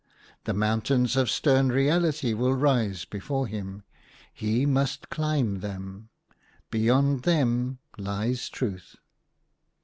The mountains of stern reality will rise before him ; he must climb them ; beyond them lies Truth."